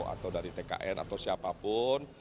atau dari tkn atau siapapun